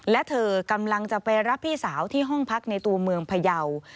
และเธอกำลังจะไปรับพี่สาวที่ห้องพักในตัวเมืองพยาว